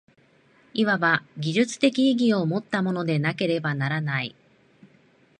いわば技術的意義をもったものでなければならない。